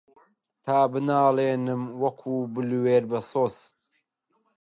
تا بناڵێنم وەکوو بلوێر بەسۆز